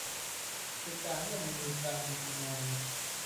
คือการร่วมกันทำงาน